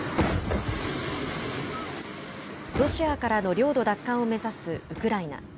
ロシアからの領土奪還を目指すウクライナ。